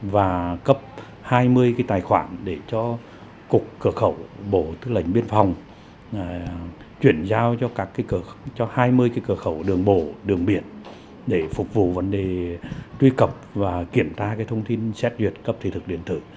và cấp hai mươi tài khoản để cho cục cửa khẩu bộ tư lệnh biên phòng chuyển giao cho hai mươi cửa khẩu đường bộ đường biển để phục vụ vấn đề truy cập và kiểm tra thông tin xét duyệt cấp thị thực điện tử